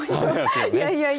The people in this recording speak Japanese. いやいやいや。